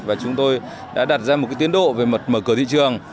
và chúng tôi đã đặt ra một tiến độ về mở cửa thị trường